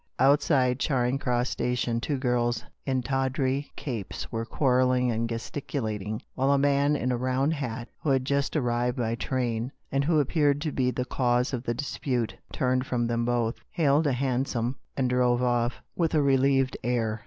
Outside Charing Cross station two girls in tawdry capes were quarrelling and gesticulat ing, while a man in a round hat, who had just arrived by train, and who appeared to be the cause of the dispute, turned from them both, hailed a hansom, and drove off with a relieved air.